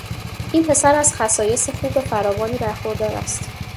این پسر از خصایص خوب فراوانی برخوردار است.